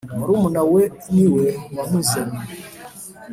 Murumuna we niwe wamuzanye.